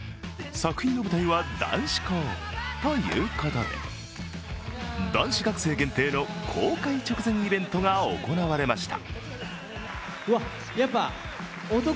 作品の舞台は男子校ということで、男子学生限定の公開イベントが行われました。